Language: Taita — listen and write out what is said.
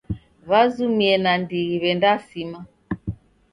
W'azumie nandighi w'endasima.